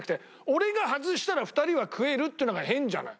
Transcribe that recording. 俺が外したら２人は食えるってのが変じゃない。